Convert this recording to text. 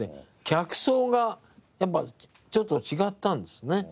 客層がやっぱちょっと違ったんですね。